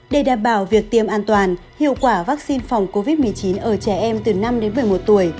để đảm bảo việc tiêm an toàn hiệu quả vaccine phòng covid một mươi chín ở trẻ em từ năm đến một mươi một tuổi